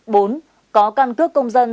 bốn có căn cước công dân